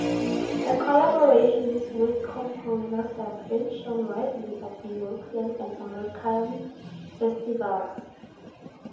Her collaborations with composers have been shown widely at European and American festivals.